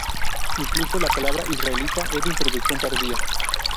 Incluso la palabra "israelita" es de introducción tardía.